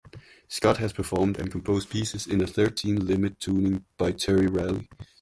Scott has performed and composed pieces in a thirteen limit tuning by Terry Riley.